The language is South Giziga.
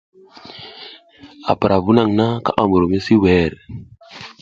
A pura vu naƞʼna kaɓa mɓur misi wer.